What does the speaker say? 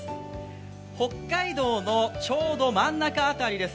北海道のちょうど真ん中辺りです。